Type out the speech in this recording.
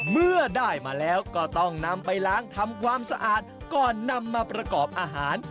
เมื่อได้มาแล้วก็ต้องนำไปล้างทำความสะอาดก่อนนำมาประกอบอาหาร